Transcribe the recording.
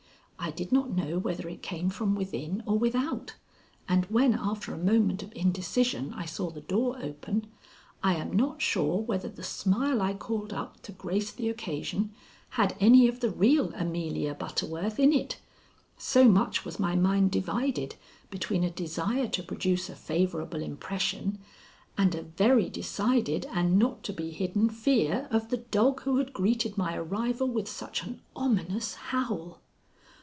I did not know whether it came from within or without, and when after a moment of indecision I saw the door open, I am not sure whether the smile I called up to grace the occasion had any of the real Amelia Butterworth in it, so much was my mind divided between a desire to produce a favorable impression and a very decided and not to be hidden fear of the dog who had greeted my arrival with such an ominous howl.